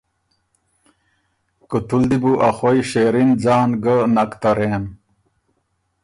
”کُوتُو ل دی بو او خوئ شېرِن ځان ګۀ نک ترېم“